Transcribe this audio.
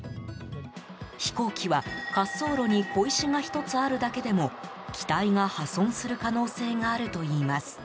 飛行機は、滑走路に小石が１つあるだけでも機体が破損する可能性があるといいます。